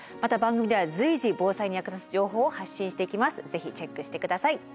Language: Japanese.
是非チェックしてください。